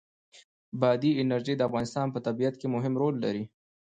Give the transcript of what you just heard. بادي انرژي د افغانستان په طبیعت کې مهم رول لري.